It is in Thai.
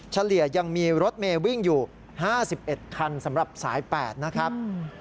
เฉลี่ยยังมีรถเมย์วิ่งอยู่๕๑คันสำหรับสาย๘นะครับ